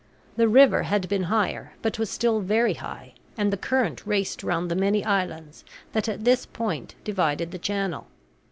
The river had been higher, but was still very high, and the current raced round the many islands that at this point divided the channel.